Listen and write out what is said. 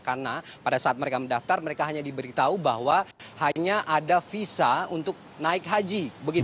karena pada saat mereka mendaftar mereka hanya diberitahu bahwa hanya ada visa untuk naik haji